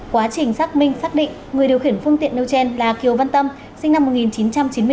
quá trình xác minh xác định người điều khiển phương tiện nêu trên là kiều văn tâm sinh năm một nghìn chín trăm chín mươi bốn